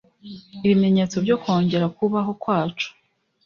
Ibimenyetso byo kongera kubaho kwacu